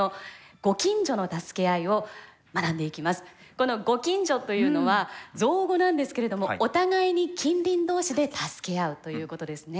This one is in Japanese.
この「互近助」というのは造語なんですけれどもお互いに近隣同士で助け合うということですね。